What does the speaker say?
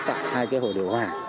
tại hai hồ điều hòa